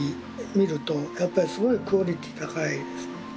見るとやっぱりすごいクオリティー高いですもんね。